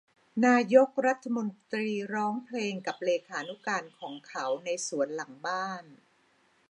นายกรัฐมนตรีร้องเพลงกับเลขานุการของเขาในสวนหลังบ้าน